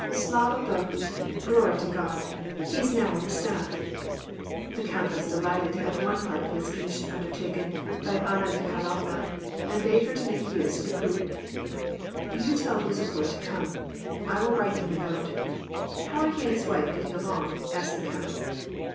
Slava Bohu !— Glory to God ! —he is now on the staff." The count was delighted to have one part of his commis sion undertaken by Anna Mikhailovna, and bade her make use of the coupe. "You tell Bezukhoi to come. I will write him a note. How are he and his wife getting along ?" asked the count.